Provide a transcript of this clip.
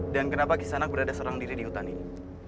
dan kenapa ghisanak berada seorang diri di hutan ini